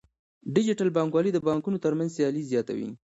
ډیجیټل بانکوالي د بانکونو ترمنځ سیالي زیاتوي.